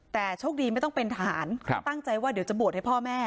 แต่โชคดีไม่ต้องเป็นทหารตั้งใจว่าเดี๋ยวจะบวชให้พ่อแม่